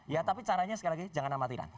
ya tapi caranya sekali lagi jangan amatiran